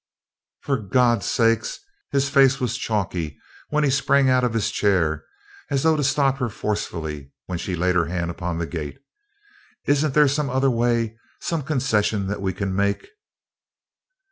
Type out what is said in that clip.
"For God's sake " His face was chalky when he sprang out of his chair as though to stop her forcibly when she laid her hand upon the gate. "Isn't there some other way some concession that we can make?"